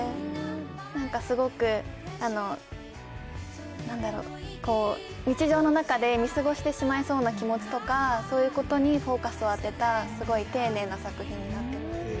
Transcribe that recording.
なんかすごく、なんだろ、日常の中で見過ごしてしまいそうな気持ちとか、そういうことにフォーカスを当てた、すごい丁寧な作品になっています。